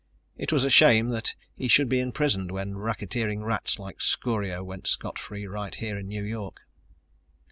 It was a shame that he should be imprisoned when racketeering rats like Scorio went scot free right here in New York.